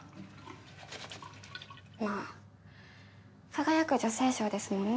まぁ輝く女性賞ですもんね。